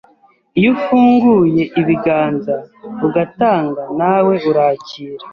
iyo ufunguye ibiganza ugatanga nawe urakira